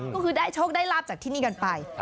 ก็คือได้โชคได้ลาบจากที่นี่กันไป